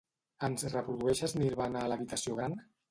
Ens reprodueixes Nirvana a l'habitació gran?